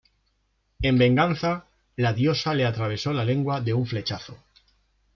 En venganza, la diosa le atravesó la lengua de un flechazo.